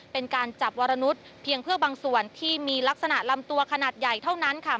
เป็นการจับวรนุษย์เพียงเพื่อบางส่วนที่มีลักษณะลำตัวขนาดใหญ่เท่านั้นค่ะ